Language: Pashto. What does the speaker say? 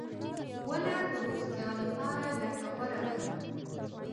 • ونه د روغتیا لپاره ګټوره ده.